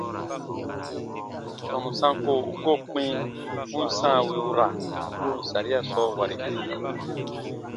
Tɔnu sanko u koo kpĩ u n sãa wì u ra goon saria sɔɔ wɔri?